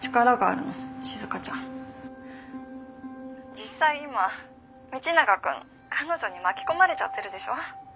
実際今道永君彼女に巻き込まれちゃってるでしょ。